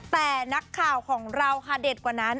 แต่นักข่าวของเราค่ะเด็ดกว่านั้น